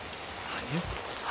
何？